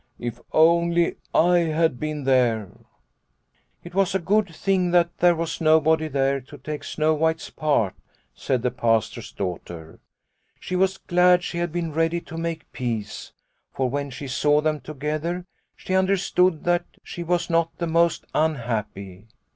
" If only I had been there." " It was a good thing there was nobody there to take Snow White's part," said the Pastor's daughter. " She was glad she had been ready to make peace, for when she saw them together she understood that she was not the most unhappy.